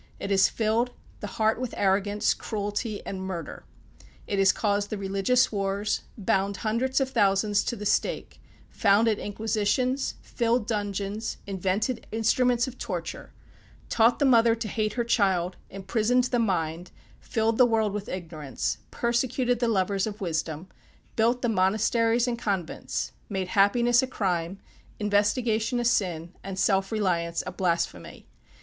It has filled the heart with arrogance, cruelty and murder. It has caused the religious wars; bound hundreds of thousands to the stake; founded inquisitions; filled dungeons; invented instruments of torture; taught the mother to hate her child; imprisoned the mind; filled the world with ignorance; persecuted the lovers of wisdom; built the monasteries and convents; made happiness a crime, investigation a sin, and self reliance a blasphemy.